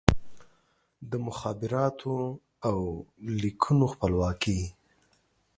د مخابراتو او لیکونو خپلواکي